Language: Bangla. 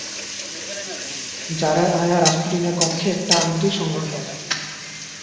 জারের আয়া রাসপুটিনের কক্ষে একটা আংটির সন্ধান পায়।